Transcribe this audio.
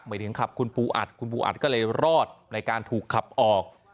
หมายถึงขับคุณปูอัดคุณปูอัดก็เลยรอดในการถูกขับออก